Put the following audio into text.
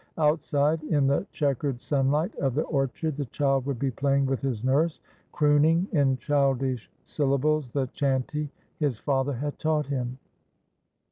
Outside in the checkered sunHght of the orchard the child would be playing with his nurse, crooning in childish syllables the chanty his father had taught him.